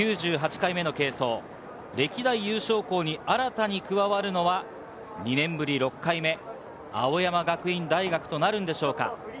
９８回目の継走、歴代優勝校に新たに加わるのは２年ぶり６回目、青山学院大学となるのでしょうか？